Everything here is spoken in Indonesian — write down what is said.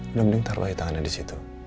udah mending taruh aja tangannya disitu